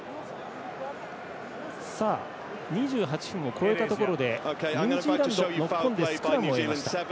２８分を超えたところでニュージーランド、ノックオンでスクラムを選びました。